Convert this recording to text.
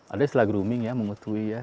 ada istilah grooming ya mengutui ya